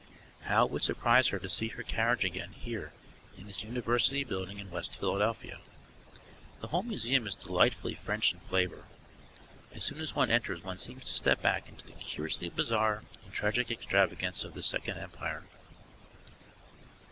How it would surprise her to see her carriage again here in this University building in West Philadelphia. The whole museum is delightfully French in flavour; as soon as one enters one seems to step back into the curiously bizarre and tragic extravagance of the Second Empire.